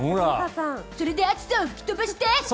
それで暑さを吹き飛ばして。